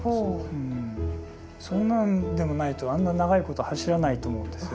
そんなんでもないとあんな長いこと走らないと思うんですよね。